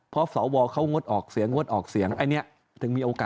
เพราะศวเขางดออกเสียงงดออกเสียง